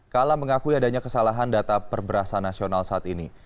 kala mengakui adanya kesalahan data perberasan nasional saat ini